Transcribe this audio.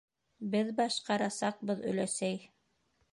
- Беҙ башҡарасаҡбыҙ, өләсәй.